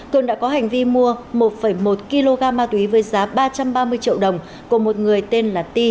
cường đã có hành vi mua một một kg ma túy với giá ba trăm ba mươi triệu đồng của một người tên là ti